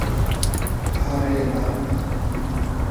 হ রে বাপ।